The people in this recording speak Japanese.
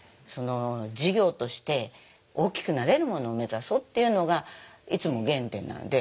事業として大きくなれるものを目指そうというのがいつも原点なので。